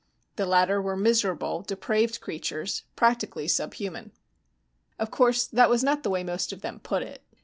The latter were miserable, depraved creatures, practically subhuman. Of course that was not the way most of them put it.